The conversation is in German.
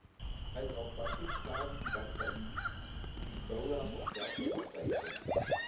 Als auch Bassist Sardi die Band verließ, stieg Bowler von Schlagzeug auf Bass um.